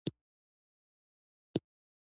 ازادي راډیو د سیاست حالت ته رسېدلي پام کړی.